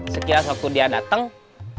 sekilas waktu dia dateng sekilas waktu dia datang